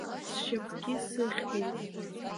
Сшьапгьы сыхьуеит…